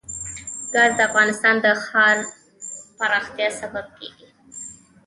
ګاز د افغانستان د ښاري پراختیا سبب کېږي.